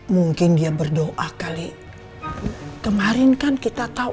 mungkin dia berdoa kali kemarin kan kita tahu